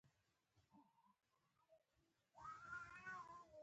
زه د یوټیوب زده کړې چینلونه خوښوم.